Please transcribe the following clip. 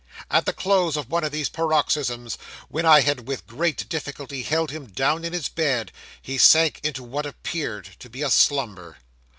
'At the close of one of these paroxysms, when I had with great difficulty held him down in his bed, he sank into what appeared to be a slumber.